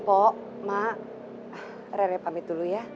pok mak re re pamit dulu ya